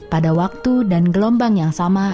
pada waktu dan gelombang yang sama